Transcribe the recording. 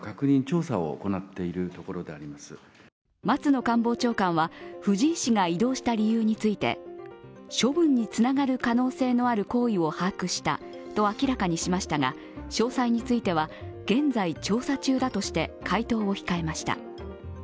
松野官房長官は、藤井氏が異動した理由について処分につながる可能性のある行為を把握したと明らかにしましたが、詳細については現在調査中だとして回答を控えました。